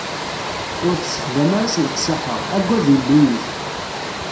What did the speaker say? Ur t-ssexdam ara s leqsaḥa, aggad Illu-ik.